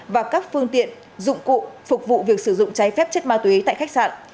và các phương tiện dụng cụ phục vụ việc sử dụng cháy phép chất ma túy tại khách sạn